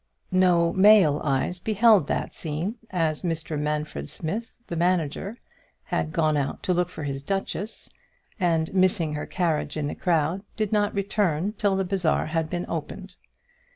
No male eyes beheld that scene, as Mr Manfred Smith, the manager, had gone out to look for his duchess, and missing her carriage in the crowd, did not return till the bazaar had been opened.